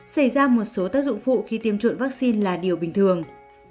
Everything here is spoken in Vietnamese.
xảy ra một số tác dụng phụ khi tiêm chủng vaccine là điều bình thường